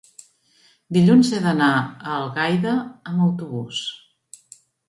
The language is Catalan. Dilluns he d'anar a Algaida amb autobús.